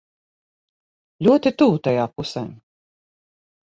Ļoti tuvu tajā pusē.